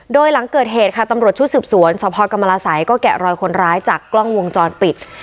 โดยหลังเกิดเหตุค่ะตำรวจชุดสืบสวนสพกรรมราศัยก็แกะรอยคนร้ายจากกล้องวงจรปิด